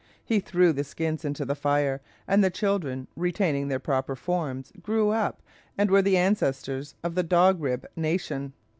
He threw the skins into the fire, and the children, retaining their proper forms, grew up, and were the ancestors of the Dog Rib nation."